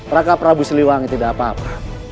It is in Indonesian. raka prabu siliwangi tidak apa apa